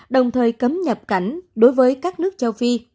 đồng thời cấm nhập cảnh đối với các nước châu phi